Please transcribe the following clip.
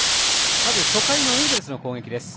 まず初回のエンジェルスの攻撃。